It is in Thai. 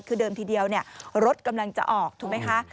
คือเดิมทีเดียวรถกำลังจะออกถูกไหมคะ